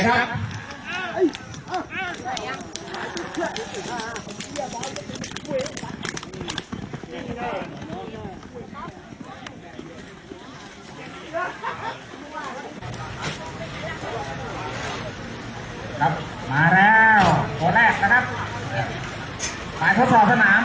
กลับมาแล้วตัวแรกนะครับฝ่ายทอดทอดสนาม